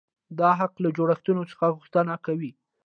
دا حق له جوړښتونو څخه غوښتنه کوي.